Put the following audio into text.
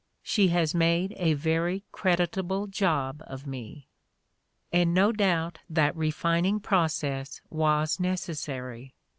She has made a very credit able job of me." And no doubt that refining process was necessary.